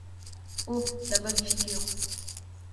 Oh ! la bonne figure !…